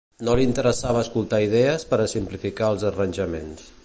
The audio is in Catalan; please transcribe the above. No li interessava escoltar idees per a simplificar els arranjaments.